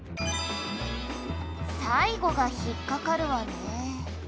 「最後が引っかかるわね」